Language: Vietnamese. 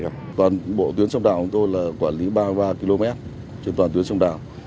chúng tôi là quản lý ba mươi ba km trên toàn tuyến sông đảo